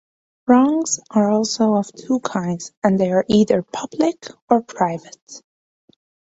Wrongs are also of two kinds and they are either public or private.